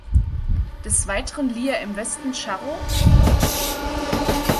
Des Weiteren lieh er im Western "Charro!